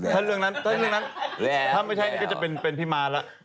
ถ้าเรื่องนั้นถ้าไม่ใช่ก็จะเป็นพี่มาล่ะ